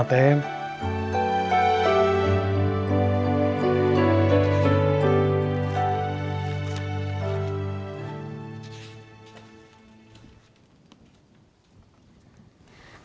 aku mau ke ktm